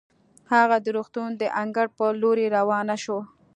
هغه د روغتون د انګړ په لورې روانه شوه.